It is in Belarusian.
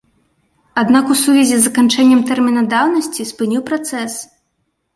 Аднак у сувязі з заканчэннем тэрміна даўнасці спыніў працэс.